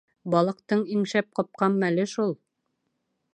Балыҡтың иң шәп ҡапҡан мәле шул.